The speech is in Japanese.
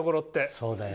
そうだよ。